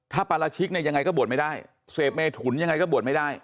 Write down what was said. ถ้าปราชิกเนี่ยยังไงก็บวชไม่ได้เสพเมถุนยังไงก็บวชไม่ได้